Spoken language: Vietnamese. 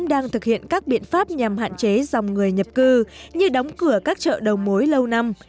đang thực hiện các biện pháp nhằm hạn chế dòng người nhập cư như đóng cửa các chợ đầu mối lâu năm